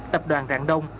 tập đoàn rạng đông